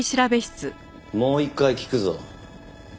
もう一回聞くぞ。